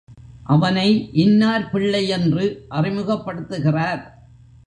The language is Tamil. அவனை இன்னார் பிள்ளையென்று அறிமுகப்படுத்துகிறார்.